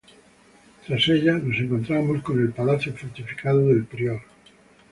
Tras ella nos encontramos con el Palacio fortificado del Prior.